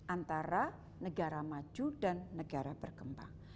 antara negara maju dan negara berkembang